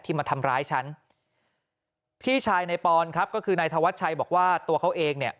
มาทำร้ายฉันพี่ชายในปอนครับก็คือนายธวัชชัยบอกว่าตัวเขาเองเนี่ย